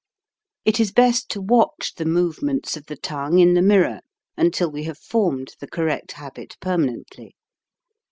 It is best to watch the movements of the 112 HOW TO SING tongue in the mirror until we have formed the correct habit permanently.